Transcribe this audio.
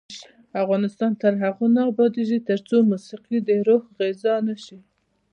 افغانستان تر هغو نه ابادیږي، ترڅو موسیقي د روح غذا نشي.